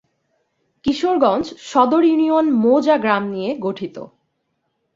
কিশোরগঞ্জ সদর ইউনিয়ন মৌজা/গ্রাম নিয়ে গঠিত।